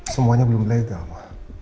semuanya belum legal ma